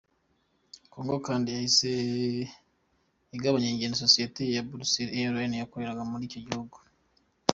Congo kandi yahise igabanya ingendo Sosiyete ya Brussels Airlines yakoreraga muri icyo gihugu.